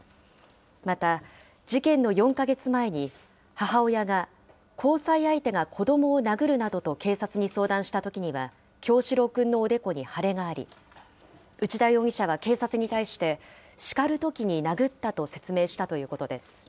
また事件の４か月前に、母親が交際相手が子どもを殴るなどと警察に相談したときには、叶志郎くんのおでこに腫れがあり、内田容疑者は警察に対して、叱るときに殴ったと説明したということです。